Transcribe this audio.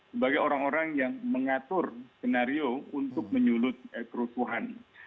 sebagai orang orang yang mengatur skenario untuk menyulut kerusuhan